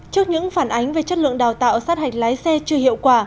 trước những phản ánh về chất lượng đào tạo sát hạch lái xe chưa hiệu quả